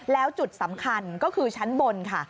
แล้วจุดสำคัญก็คือชั้นบนค่ะ